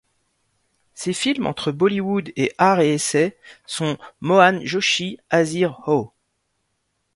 Ses films entre Bollywood et art et essai sont 'Mohan Joshi Hazir Ho!